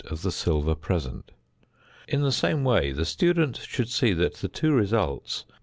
of the silver present. In the same way the student should see that the two results, 91.